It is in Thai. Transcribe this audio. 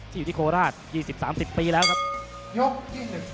ที่อยู่ที่โคลาตยี่สิบสามสิบปีแล้วครับยกที่หนึ่ง